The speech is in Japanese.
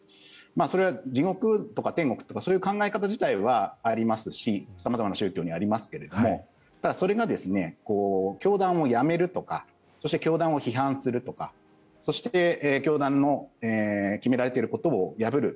それは地獄とか天国とかそういう考え方自体は様々な宗教にありますけどもただ、それが教団を辞めるとかそして教団を批判するとか教団の決められていることを破る。